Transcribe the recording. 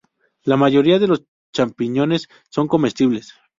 La mayoría de los champiñones son comestibles.